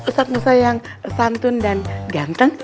eh eh ustadz musa yang santun dan ganteng